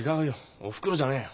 おふくろじゃねえよ。